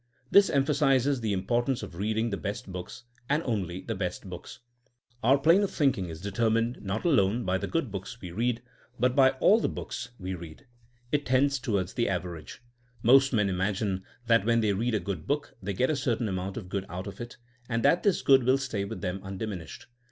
This emphasizes the importance of reading the best books, and only the best books. Our plane of thinking is determined not alone by the good books we read, but by all the books THINKING AS A 80IEN0E 231 we read; it tends toward the average. Most men imagine that when they read a good book they get a certain amount of good out of it, and that this good will stay with them undiminished.